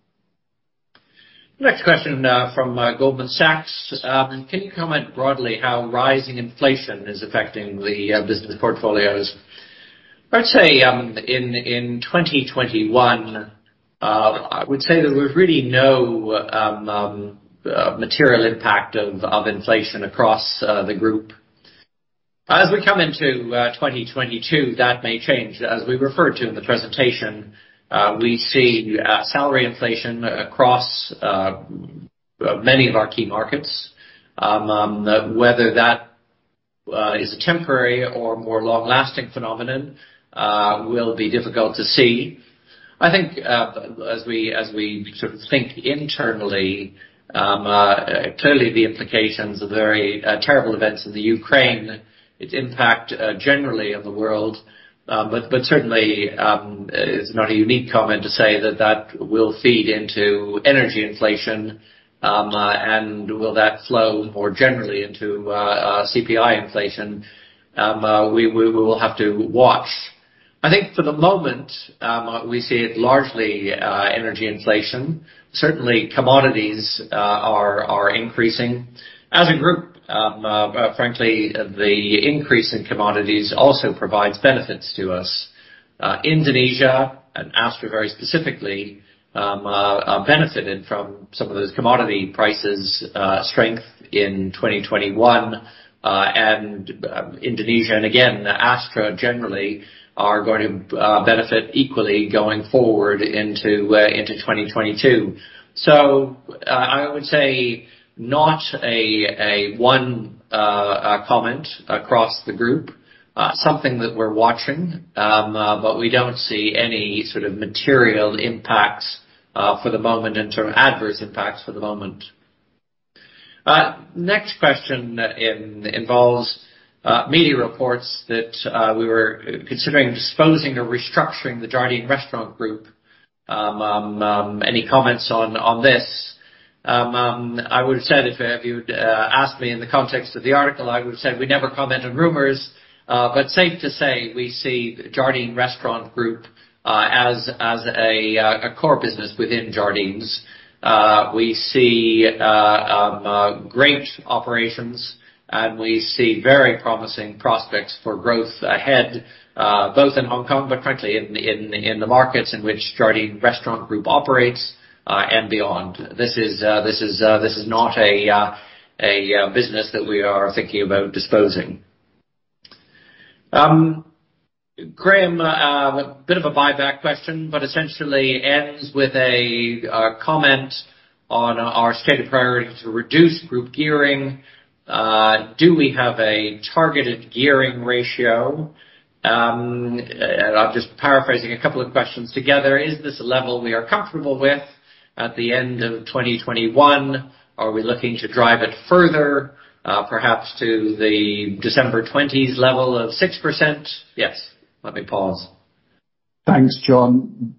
Next question from Goldman Sachs. Can you comment broadly how rising inflation is affecting the business portfolios? I'd say in 2021, I would say that there was really no material impact of inflation across the group. As we come into 2022, that may change. As we referred to in the presentation, we see salary inflation across many of our key markets. Whether that is temporary or more long-lasting phenomenon will be difficult to see. I think, as we sort of think internally, clearly the implications of very terrible events in the Ukraine, its impact generally on the world, but certainly, it's not a unique comment to say that that will feed into energy inflation, and will that flow more generally into CPI inflation? We will have to watch. I think for the moment, we see it largely energy inflation. Certainly, commodities are increasing. As a group, frankly, the increase in commodities also provides benefits to us. Indonesia and Astra very specifically benefited from some of those commodity prices strength in 2021. Indonesia, and again, Astra generally are going to benefit equally going forward into 2022. I would say not one comment across the group. Something that we're watching, but we don't see any sort of material impacts for the moment in terms of adverse impacts for the moment. Next question involves media reports that we were considering disposing or restructuring the Jardine Restaurant Group. Any comments on this? I would have said if you'd asked me in the context of the article, I would have said we never comment on rumors. But safe to say, we see Jardine Restaurant Group as a core business within Jardines. We see great operations, and we see very promising prospects for growth ahead, both in Hong Kong, but frankly in the markets in which Jardine Restaurant Group operates, and beyond. This is not a business that we are thinking about disposing. Graham, a bit of a buyback question, but essentially ends with a comment on our stated priority to reduce group gearing. Do we have a targeted gearing ratio? And I'm just paraphrasing a couple of questions together. Is this a level we are comfortable with at the end of 2021? Are we looking to drive it further, perhaps to the December twenties level of 6%? Yes, let me pause. Thanks, John.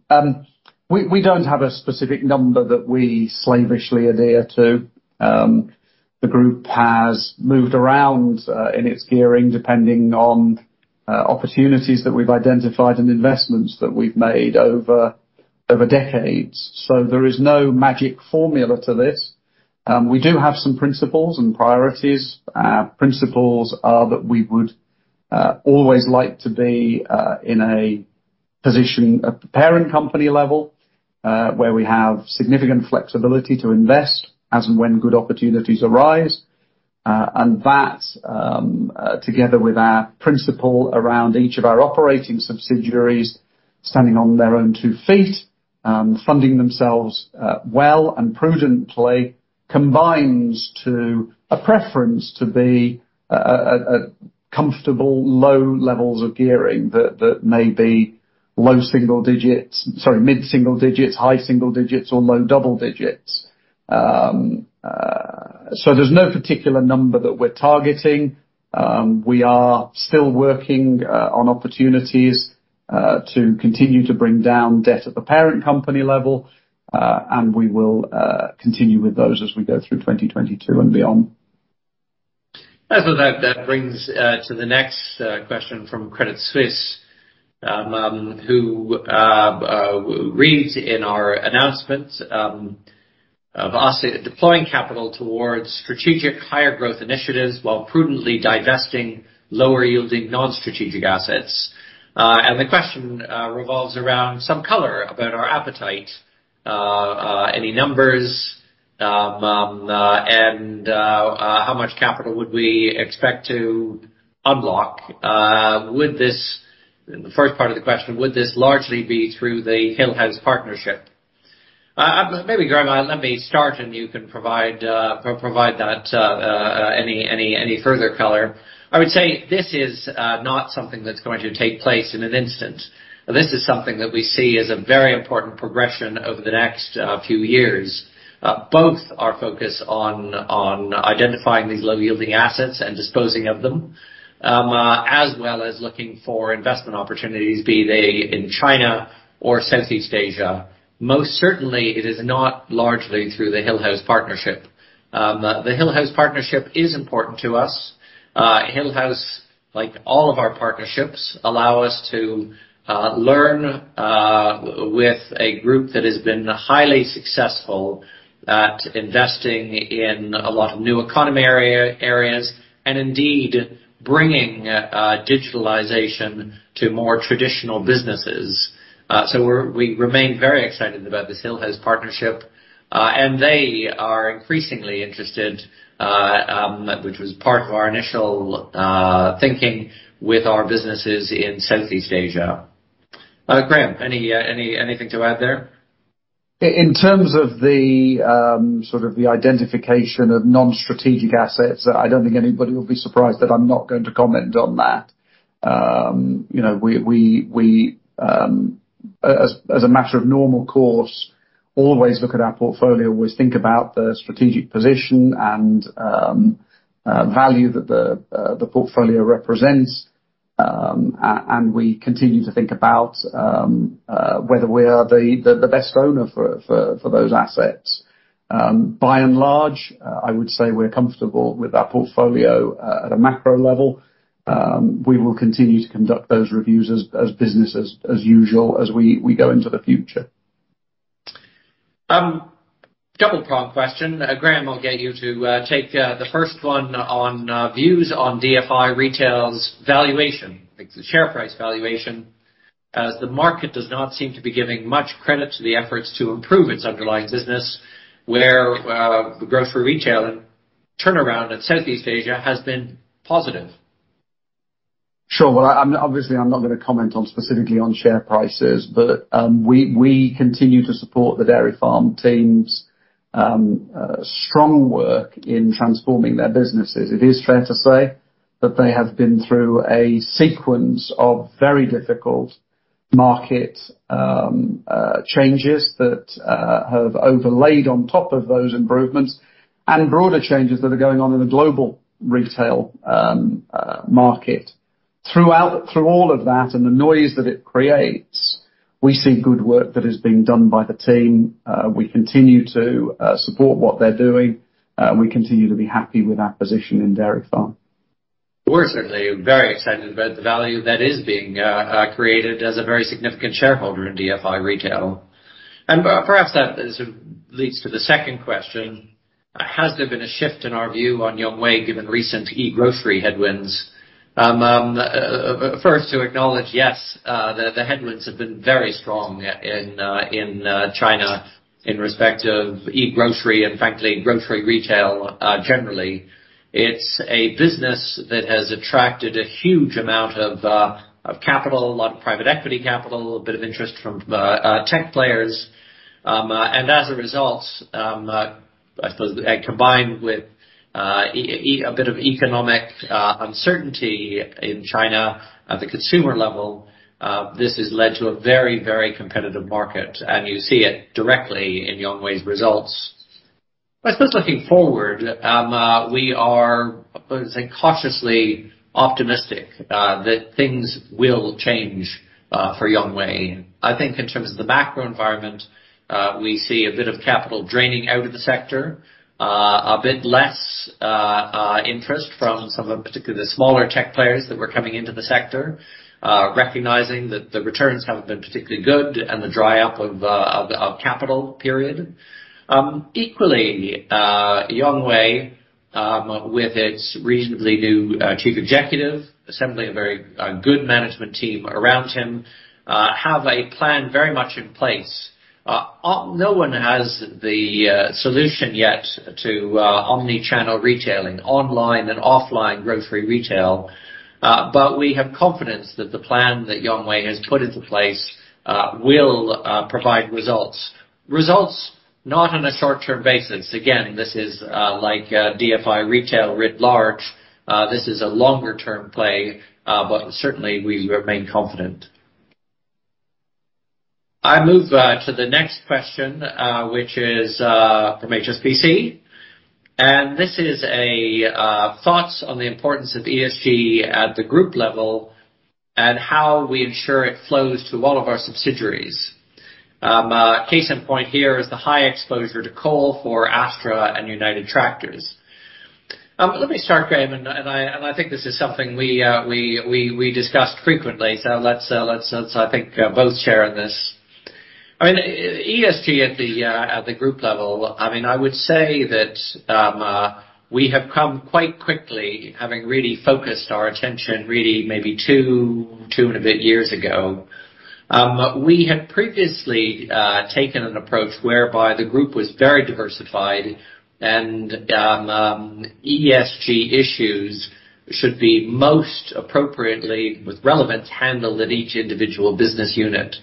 We don't have a specific number that we slavishly adhere to. The group has moved around in its gearing, depending on opportunities that we've identified and investments that we've made over decades. There is no magic formula to this. We do have some principles and priorities. Principles are that we would always like to be in a position at the parent company level where we have significant flexibility to invest as and when good opportunities arise. That together with our principle around each of our operating subsidiaries standing on their own two feet, funding themselves well and prudently, combines to a preference to be a comfortable low levels of gearing that may be low single digits, mid-single digits, high-single digits or low-double digits. There's no particular number that we're targeting. We are still working on opportunities to continue to bring down debt at the parent company level, and we will continue with those as we go through 2022 and beyond. With that brings to the next question from Credit Suisse, which reads in our announcement of us deploying capital towards strategic higher growth initiatives while prudently divesting lower yielding non-strategic assets. The question revolves around some color about our appetite, any numbers, and how much capital would we expect to unlock. The first part of the question, would this largely be through the Hillhouse partnership? Maybe Graeme, let me start and you can provide any further color. I would say this is not something that's going to take place in an instant. This is something that we see as a very important progression over the next few years. Both are focused on identifying these low-yielding assets and disposing of them, as well as looking for investment opportunities, be they in China or Southeast Asia. Most certainly, it is not largely through the Hillhouse partnership. The Hillhouse partnership is important to us. Hillhouse, like all of our partnerships, allow us to learn with a group that has been highly successful at investing in a lot of new economy areas and indeed bringing digitalization to more traditional businesses. We remain very excited about this Hillhouse partnership, and they are increasingly interested, which was part of our initial thinking with our businesses in Southeast Asia. Graham, anything to add there? In terms of the sort of identification of non-strategic assets, I don't think anybody will be surprised that I'm not going to comment on that. You know, we as a matter of normal course always look at our portfolio, always think about the strategic position and value that the portfolio represents. And we continue to think about whether we are the best owner for those assets. By and large, I would say we're comfortable with our portfolio at a macro level. We will continue to conduct those reviews as business as usual as we go into the future. Double-pronged question. Graham, I'll get you to take the first one on views on DFI Retail's valuation, the share price valuation, as the market does not seem to be giving much credit to the efforts to improve its underlying business where the grocery retail turnaround at Southeast Asia has been positive. Sure. Well, I'm obviously not gonna comment specifically on share prices, but we continue to support the Dairy Farm teams' strong work in transforming their businesses. It is fair to say that they have been through a sequence of very difficult market changes that have overlaid on top of those improvements and broader changes that are going on in the global retail market. Through all of that and the noise that it creates, we see good work that is being done by the team. We continue to support what they're doing. We continue to be happy with our position in Dairy Farm. We're certainly very excited about the value that is being created as a very significant shareholder in DFI Retail. Perhaps that leads to the second question, has there been a shift in our view on Yonghui given recent e-grocery headwinds? First to acknowledge, yes, the headwinds have been very strong in China in respect of e-grocery and frankly, grocery retail generally. It's a business that has attracted a huge amount of capital, a lot of private equity capital, a bit of interest from tech players. As a result, I suppose, combined with a bit of economic uncertainty in China at the consumer level, this has led to a very competitive market, and you see it directly in Yonghui's results. I suppose looking forward, we are, let's say, cautiously optimistic that things will change for Yonghui. I think in terms of the macro environment, we see a bit of capital draining out of the sector, a bit less interest from some, particularly the smaller tech players that were coming into the sector, recognizing that the returns haven't been particularly good and the dry up of capital. Period. Equally, Yonghui with its reasonably new chief executive, assembling a very good management team around him, have a plan very much in place. No one has the solution yet to omni-channel retailing online and offline grocery retail. We have confidence that the plan that Yonghui has put into place will provide results. Results not on a short-term basis. Again, this is like a DFI Retail writ large. This is a longer-term play, but certainly, we remain confident. I move to the next question, which is from HSBC, and this is thoughts on the importance of ESG at the group level and how we ensure it flows to all of our subsidiaries. Case in point here is the high exposure to coal for Astra and United Tractors. Let me start, Graham, and I think this is something we discussed frequently. So let's both share in this. I mean, ESG at the group level, I mean, I would say that we have come quite quickly having really focused our attention really maybe two and a bit years ago. We had previously taken an approach whereby the group was very diversified and ESG issues should be most appropriately with relevance handled at each individual business unit.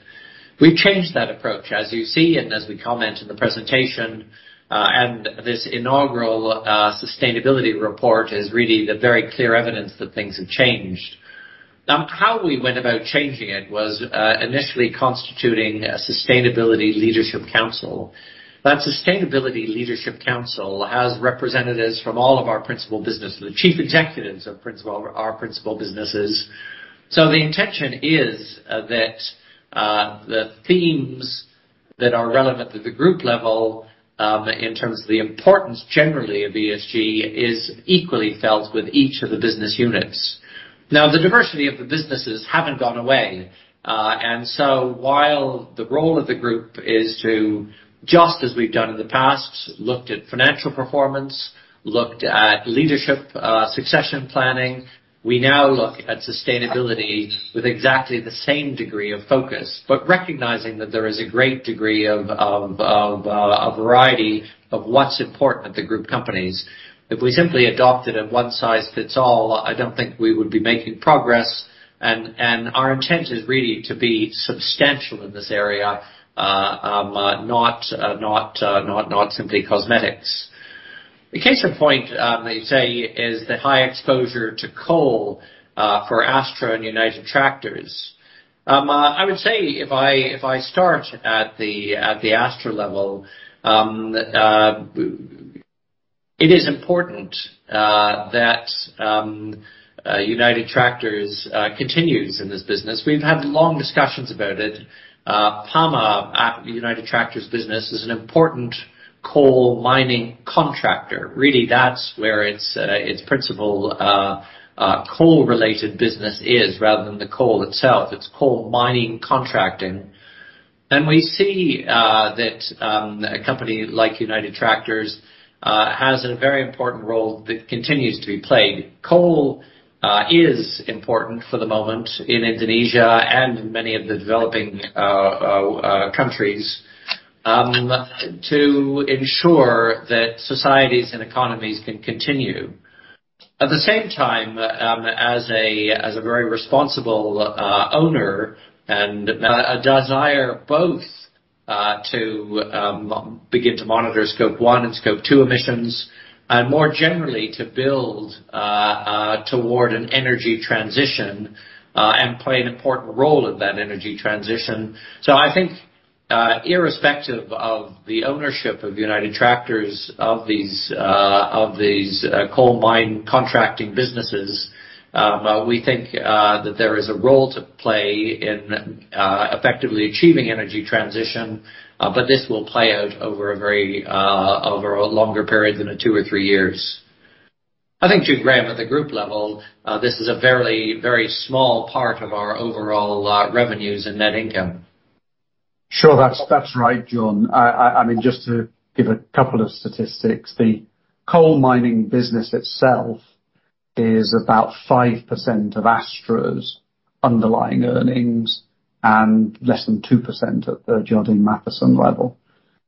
We've changed that approach, as you see and as we comment in the presentation, and this inaugural sustainability report is really the very clear evidence that things have changed. Now, how we went about changing it was initially constituting a sustainability leadership council. That sustainability leadership council has representatives from all of our principal business, the chief executives of our principal businesses. The intention is that the themes that are relevant at the group level in terms of the importance generally of ESG is equally felt with each of the business units. The diversity of the businesses haven't gone away and while the role of the group is to, just as we've done in the past, look at financial performance, look at leadership succession planning, we now look at sustainability with exactly the same degree of focus, but recognizing that there is a great degree of a variety of what's important at the group companies. If we simply adopted a one size fits all, I don't think we would be making progress. Our intent is really to be substantial in this area, not simply cosmetics. The case in point, they say, is the high exposure to coal for Astra and United Tractors. I would say if I start at the Astra level, it is important that United Tractors continues in this business. We've had long discussions about it. PAMA, a United Tractors business, is an important coal mining contractor. Really, that's where its principal coal related business is, rather than the coal itself. It's coal mining contracting. We see that a company like United Tractors has a very important role that continues to be played. Coal is important for the moment in Indonesia and many of the developing countries to ensure that societies and economies can continue. At the same time, as a very responsible owner and a desire both to begin to monitor Scope 1 and Scope 2 emissions, and more generally, to build toward an energy transition, and play an important role in that energy transition. I think, irrespective of the ownership of United Tractors of these coal mine contracting businesses, we think that there is a role to play in effectively achieving energy transition, but this will play out over a longer period than 2 or 3 years. I think to Graham at the group level, this is a very, very small part of our overall revenues and net income. Sure. That's right, John. I mean, just to give a couple of statistics, the coal mining business itself is about 5% of Astra's underlying earnings and less than 2% at the Jardine Matheson level.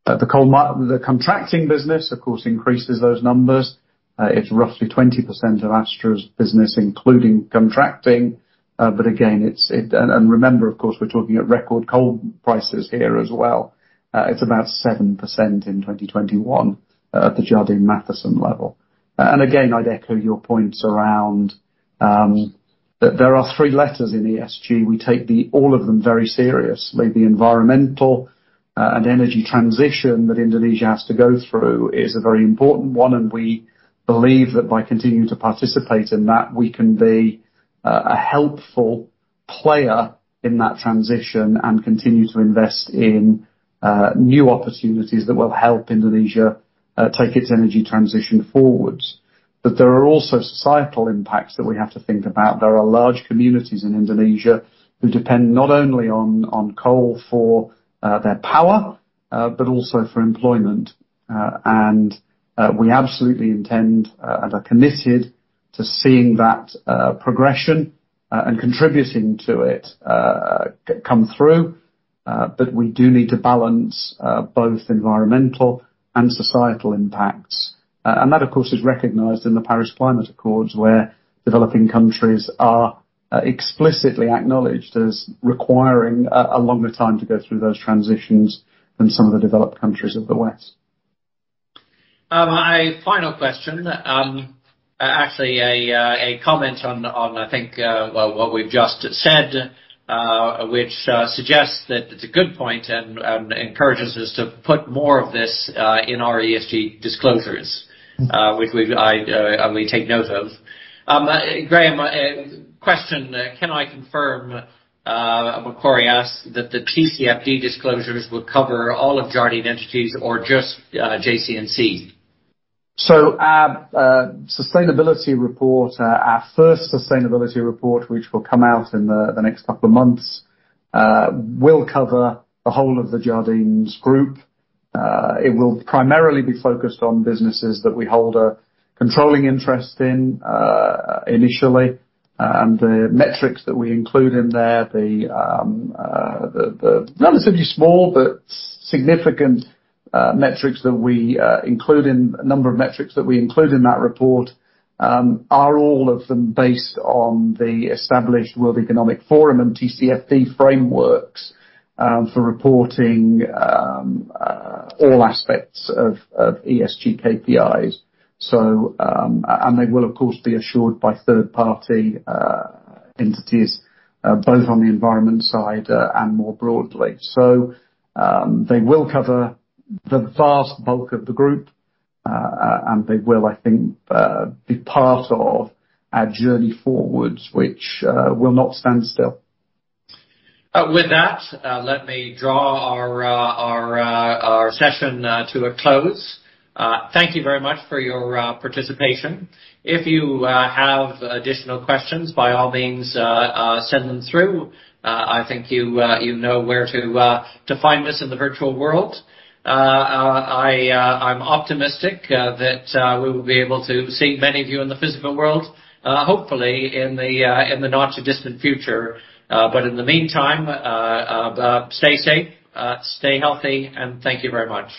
The contracting business, of course, increases those numbers. It's roughly 20% of Astra's business, including contracting. But again, remember, of course, we're talking at record coal prices here as well. It's about 7% in 2021 at the Jardine Matheson level. Again, I'd echo your points around that there are three letters in ESG. We take all of them very serious. The environmental and energy transition that Indonesia has to go through is a very important one, and we believe that by continuing to participate in that, we can be a helpful player in that transition and continue to invest in new opportunities that will help Indonesia take its energy transition forwards. There are also societal impacts that we have to think about. There are large communities in Indonesia who depend not only on coal for their power but also for employment. We absolutely intend and are committed to seeing that progression and contributing to it come through. We do need to balance both environmental and societal impacts. That, of course, is recognized in the Paris Climate Accords, where developing countries are explicitly acknowledged as requiring a longer time to go through those transitions than some of the developed countries of the West. My final question, actually a comment on, I think, what we've just said, which suggests that it's a good point and encourages us to put more of this in our ESG disclosures, which we take note of. Graham, question. Can I confirm, Macquarie has asked that the TCFD disclosures would cover all of Jardine entities or just JC&C? Our sustainability report, our first sustainability report, which will come out in the next couple of months, will cover the whole of the Jardines group. It will primarily be focused on businesses that we hold a controlling interest in, initially. The relatively small but significant number of metrics that we include in that report are all of them based on the established World Economic Forum and TCFD frameworks for reporting all aspects of ESG KPIs. They will, of course, be assured by third-party entities, both on the environment side, and more broadly. They will cover the vast bulk of the group, and they will, I think, be part of our journey forward, which will not stand still. With that, let me draw our session to a close. Thank you very much for your participation. If you have additional questions, by all means, send them through. I think you know where to find us in the virtual world. I'm optimistic that we will be able to see many of you in the physical world, hopefully in the not too distant future. In the meantime, stay safe, stay healthy, and thank you very much.